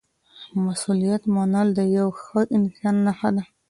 مسؤلیت منل د یو ښه انسان نښه ده.